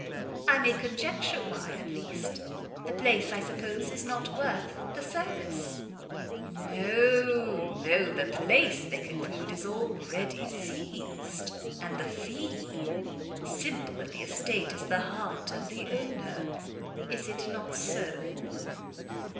"I may conjecture why, at least; the place, I suppose, is not worth the service." "No, no; the place, they conclude, is already seized, and the fee simple of the estate is the heart of the owner. Is it not so?"